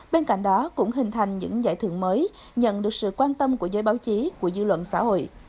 bên cạnh đó cũng hình thành những giải thưởng mới nhận được sự quan tâm của giới báo chí của dư luận xã hội